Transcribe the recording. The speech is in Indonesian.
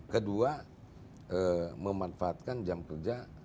kedua memanfaatkan jam kerja